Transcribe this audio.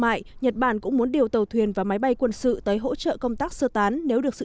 mại nhật bản cũng muốn điều tàu thuyền và máy bay quân sự tới hỗ trợ công tác sơ tán nếu được sự